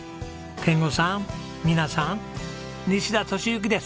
賢吾さん美奈さん西田敏行です！